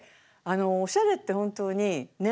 おしゃれって本当に年齢もね